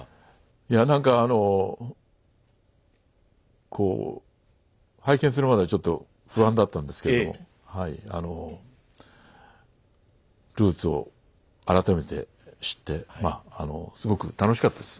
いや何かあのこう拝見するまではちょっと不安だったんですけれどもはいあのルーツを改めて知ってまあすごく楽しかったです。